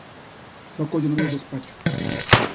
Xa o collo no meu despacho.